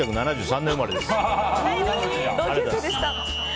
さん同級生でした。